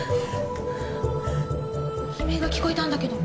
悲鳴が聞こえたんだけど。